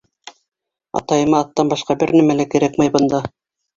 Атайыма аттан башҡа бер нәмә лә кәрәкмәй бында.